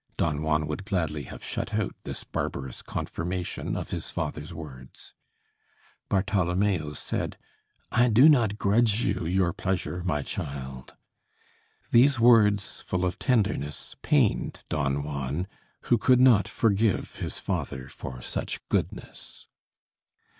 Don Juan would gladly have shut out this barbarous confirmation of his father's words. Bartholomeo said: "I do not grudge you your pleasure, my child." These words, full of tenderness, pained Don Juan, who could not forgive his father for such goodness.